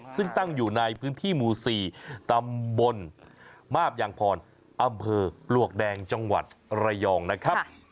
ซึ่งตั้งอยู่ในพื้นที่หมู่๔ตำบลมาบยางพรอำเภอปลวกแดงจังหวัดระยองนะครับ